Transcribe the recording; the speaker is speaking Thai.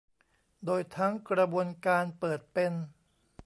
โดยทั้งกระบวนการเปิดเป็น